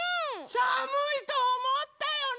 さむいとおもったよね！